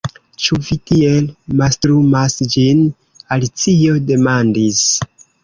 "Ĉu vi tiel mastrumas ĝin?" Alicio demandis.